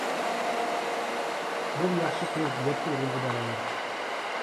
بىر ياخشى قىز يەتتە ئوغۇلغا باراۋەر.